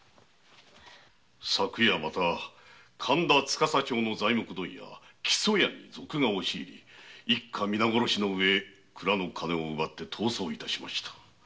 昨夜また神田の材木問屋「木曽屋」に賊が押し入り一家皆殺しのうえ蔵の金を奪って逃走致しました。